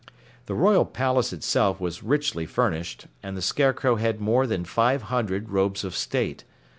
The royal palace itself was richly furnished, and the Scarecrow had more than five hundred robes of state.